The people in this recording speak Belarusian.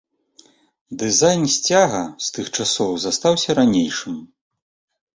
Дызайн сцяга з тых часоў застаўся ранейшым.